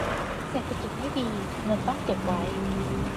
เศรษฐกิจไม่ดี เงินต้องเก็บไว้